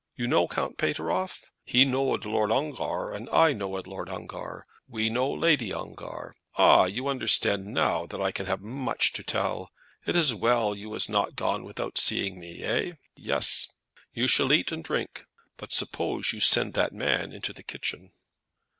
You know Count Pateroff? He knowed Lord Ongar, and I knowed Lord Ongar. We know Lady Ongar. Ah, you understand now that I can have much to tell. It is well you was not gone without seeing me? Eh; yes! You shall eat and drink, but suppose you send that man into the kitchen!"